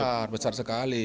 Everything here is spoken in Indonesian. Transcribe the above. besar besar sekali